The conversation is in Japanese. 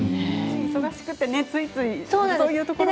忙しくて、ついついね。